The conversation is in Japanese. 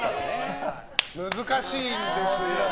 難しいんですよね。